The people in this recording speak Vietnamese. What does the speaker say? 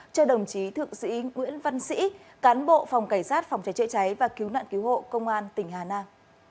cho đồng chí thượng sĩ nguyễn văn sĩ cán bộ phòng cảnh sát phòng cháy chữa cháy và cứu nạn cứu hộ công an tỉnh hà nam